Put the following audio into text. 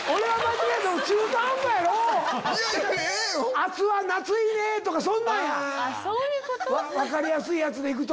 「アツは夏いね！」とかそんなんや分かりやすいやつで行くと。